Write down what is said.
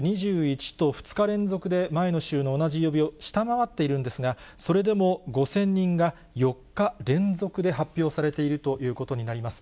２０、２１と、２日連続で前の週の同じ曜日を下回っているんですが、それでも５０００人が４日連続で発表されているということになります。